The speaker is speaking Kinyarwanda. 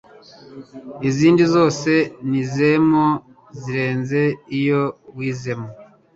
izindi zose nizemo zirenze iyo wizemo